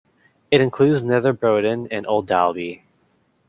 It includes Nether Broughton and Old Dalby.